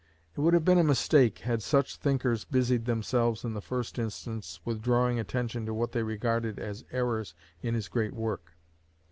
It would have been a mistake had such thinkers busied themselves in the first instance with drawing attention to what they regarded as errors in his great work.